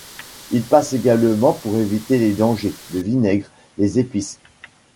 Il passe également pour éviter les dangers, le vinaigre, les épices.